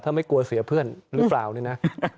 ถ้าไม่กลัวเสียเพื่อนหรือเปล่านี่นะ